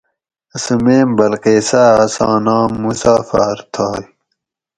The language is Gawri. اسوں میم بلقیساۤ اساں نام مسافر تھائے